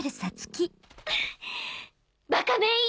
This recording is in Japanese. バカメイ。